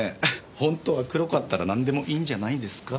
ほんとは黒かったらなんでもいいんじゃないですか？